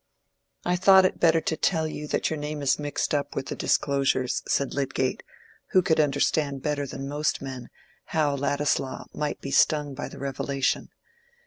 "I thought it better to tell you that your name is mixed up with the disclosures," said Lydgate, who could understand better than most men how Ladislaw might be stung by the revelation.